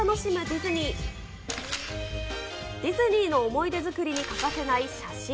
ディズニーの思い出作りに欠かせない写真。